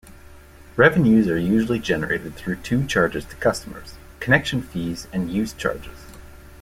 Revenues are usually generated through two charges to customers: "connection fees" and "use charges".